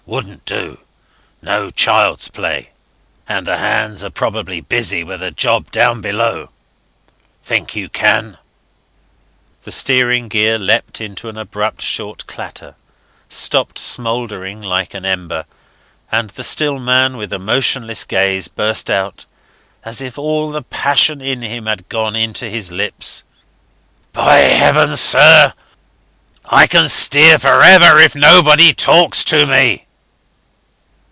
Wouldn't do. No child's play. And the hands are probably busy with a job down below. ... Think you can?" The steering gear leaped into an abrupt short clatter, stopped smouldering like an ember; and the still man, with a motionless gaze, burst out, as if all the passion in him had gone into his lips: "By Heavens, sir! I can steer for ever if nobody talks to me."